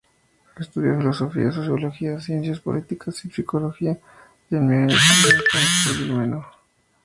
Estudió filosofía, sociología, ciencias políticas y psicología en Múnich y en Fráncfort del Meno.